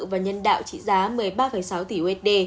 và nhân đạo trị giá một mươi ba sáu tỷ usd